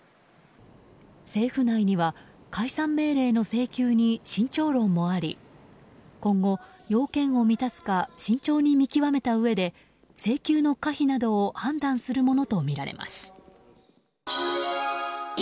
政府内には解散命令の請求に慎重論もあり今後、要件を満たすか慎重に見極めたうえで請求の可否などを判断するものとみられます。